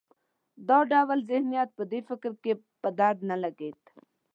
دا ډول ذهنیت په دې وخت کې په درد نه لګېده.